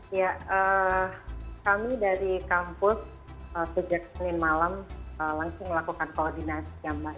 ya kami dari kampus sejak senin malam langsung melakukan koordinasi ya mbak